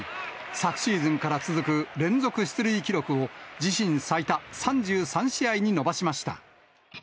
昨シーズンから続く連続出塁記録を自身最多、３３試合に伸ばしました。